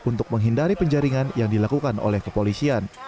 untuk menghindari penjaringan yang dilakukan oleh kepolisian